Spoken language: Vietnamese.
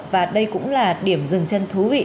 và đây cũng là điểm dừng chân thú vị